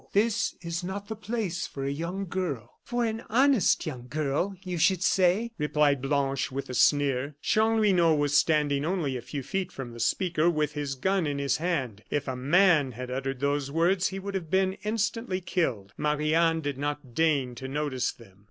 This is not the place for a young girl." "For an honest young girl, you should say," replied Blanche, with a sneer. Chanlouineau was standing only a few feet from the speaker with his gun in his hand. If a man had uttered those words he would have been instantly killed. Marie Anne did not deign to notice them.